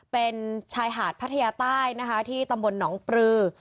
เป็นชายหาดพัทยาใต้นะคะที่ตำบลหนองปลือ